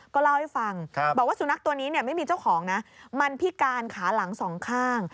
ก็เล่าให้ฟังบอกว่าสุนัขตัวนี้ไม่มีเจ้าของนะมันพิการขาหลังสองข้าง